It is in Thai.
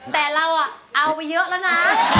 แต่เราเอาไปเยอะแล้วนะ